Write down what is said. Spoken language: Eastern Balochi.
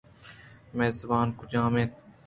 مئے زبان کجام اِنت؟